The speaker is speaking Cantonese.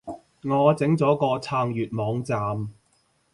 我整咗個撐粵網站